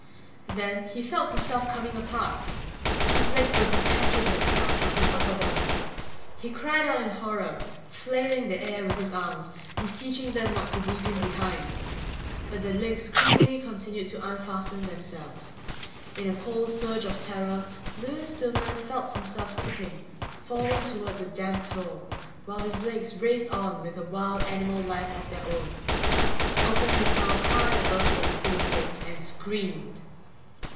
Then he felt himself coming apart. His legs were detaching themselves from his upper body. He cried out in horror, flailing the air with his arms, beseeching them not to leave him behind. But the legs cruelly continued to unfasten themselves. In a cold surge of terror, Lewis Stillman felt himself tipping, falling toward the damp floor while his legs raced on with a wild animal life of their own. He opened his mouth, high above the insane legs, and screamed.